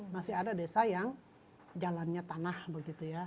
masih ada desa yang jalannya tanah begitu ya